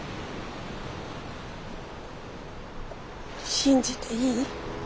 信じていい？